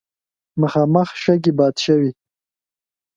مخامخ شګې باد شوې.